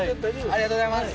ありがとうございます。